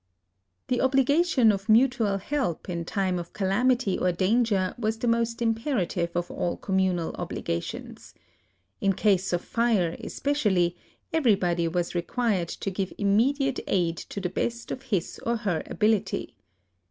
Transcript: The obligation of mutual help in time of calamity or danger was the most imperative of all communal obligations. In case of fire, especially, everybody was required to give A LIVING GOD 15 immediate aid to the best of his or her ability.